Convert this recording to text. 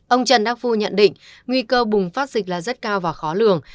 ông trần đắc phu nhận định nguy cơ bùng phát dịch là rất cao và khó lường